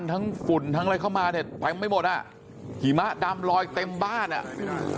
ฝุ่นทั้งอะไรเข้ามาเนี่ยเต็มไปหมดอ่ะหิมะดำลอยเต็มบ้านอ่ะ